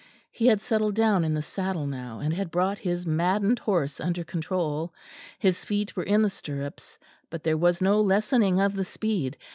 He had settled down in the saddle now, and had brought his maddened horse under control; his feet were in the stirrups, but there was no lessening of the speed.